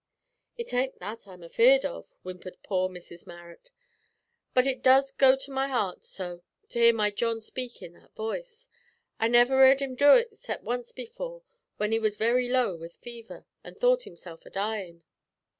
"It ain't that I'm afear'd of," whimpered poor Mrs Marrot, "but it does go to my 'art so, to 'ear my John speak in that voice. I never 'ear'd him do it except once before, when he was very low with fever, an' thought himself a dyin'."